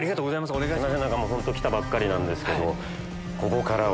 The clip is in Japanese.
すいません来たばっかりなんですけど。